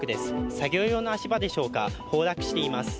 作業用の足場でしょうか、崩落しています。